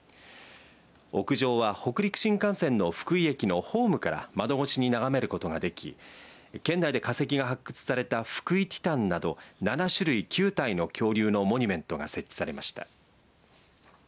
屋上は北陸新幹線の福井駅のホームから窓越しに眺めることができ県内で化石が発掘されたフクイティタンなど７種類９体の恐竜のモニュメントが設置されました。